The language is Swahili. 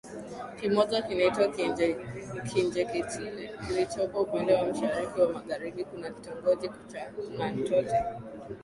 kimoja kinaitwa Kinjeketile kilichopo upande wa Mashariki na Magharibi kuna Kitongoji cha Nantote